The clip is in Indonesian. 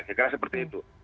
saya kira seperti itu